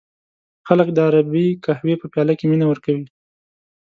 خلک د عربی قهوې په پیاله کې مینه ورکوي.